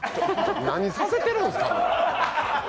何させてるんすか？